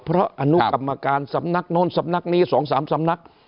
เพราะอนุกรรมการสำนักโน้นสำนักนี้๒๓สำนัก